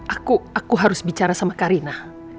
aku aku harus bicara sama karina